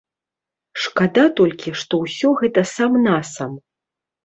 Шкада толькі, што ўсё гэта сам-насам.